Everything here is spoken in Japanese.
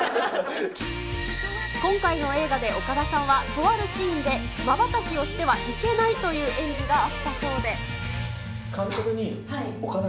今回の映画でおかださんはとあるシーンで、まばたきをしてはいけないという演技があったそう監督に、岡田！